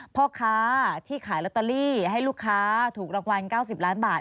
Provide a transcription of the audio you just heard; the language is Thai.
พ่อค้าที่ขายลอตเตอรี่ให้ลูกค้าถูกรางวัล๙๐ล้านบาท